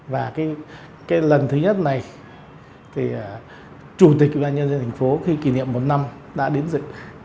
và lần thứ nhất này chủ tịch ubnd tp hcm khi kỷ niệm một năm đã đến dự